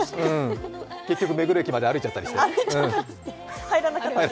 結局、目黒駅まで歩いちゃったりしてね。